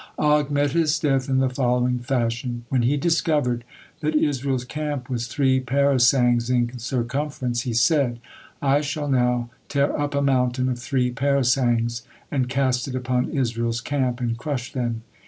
Og met his death in the following fashion. When he discovered that Israel's camp was three parasangs in circumference, he said: "I shall now tear up a mountain of three parasangs, and cast it upon Israel's camp, and crush them."